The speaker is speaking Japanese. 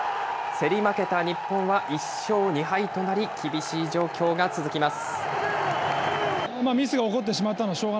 競り負けた日本は１勝２敗となり、厳しい状況が続きます。